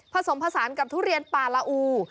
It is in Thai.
ผสมผสานกับทุเรียนป่าละอู